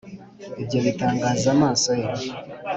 ibyo bitangaza-amaso ye.